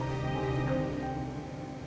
kenapa mbak andin bisa setegak itu sama aku